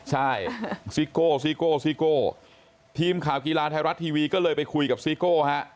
ใช่ซิโก้ทีมข่าวกีฬาไทยรัฐทีวีก็เลยไปคุยกับซิโก้